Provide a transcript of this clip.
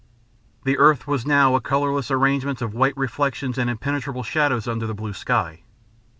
The earth was now a colourless arrangement of white reflections and impenetrable shadows, under the blue sky.